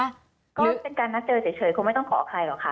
ก็เป็นการนัดเจอเฉยคงไม่ต้องขอใครหรอกค่ะ